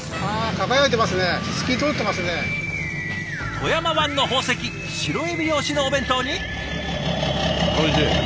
富山湾の宝石白エビ漁師のお弁当に。